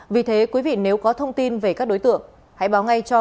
vì thế quý vị nếu có thông tin về các đối tượng hãy báo ngay cho